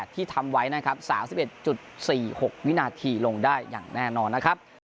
ที่ทำไว้นะครับ๓๑๔๖วินาทีลงได้อย่างแน่นอนนะครับ